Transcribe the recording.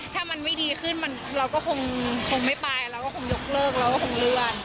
ถ้ามันไม่ดีขึ้นเราก็คงไม่ไปเราก็คงยกเลิกเราก็คงเลื่อน